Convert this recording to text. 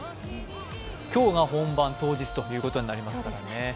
今日が本番、当日ということになりますからね。